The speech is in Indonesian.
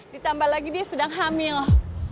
ditambah lagi dia sedang hamil